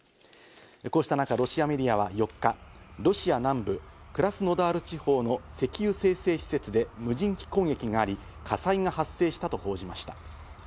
こうした中、ロシアメディアは４日、ロシア南部・クラスノダール地方の石油精製施設で無人機攻撃があり、火災が発生したと報じました。